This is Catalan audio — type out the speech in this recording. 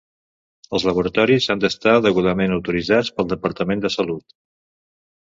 Els laboratoris han d'estar degudament autoritzats pel Departament de Salut.